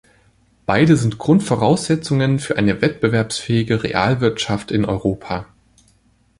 Beide sind Grundvoraussetzungen für eine wettbewerbsfähige Realwirtschaft in Europa.